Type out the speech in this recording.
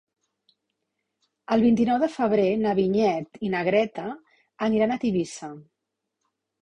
El vint-i-nou de febrer na Vinyet i na Greta aniran a Tivissa.